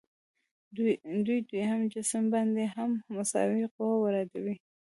دوی دویم جسم باندې هم مساوي قوه واردوي.